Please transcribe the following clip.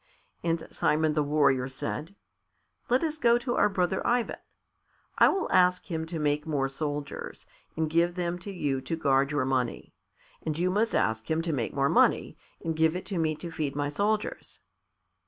And Simon the Warrior said, "Let us go to our brother Ivan. I will ask him to make more soldiers and give them to you to guard your money, and you must ask him to make more money and give it to me to feed my soldiers."